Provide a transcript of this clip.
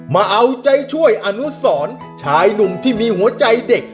มาเอาใจช่วยอนุสรชายหนุ่มที่มีหัวใจเด็ก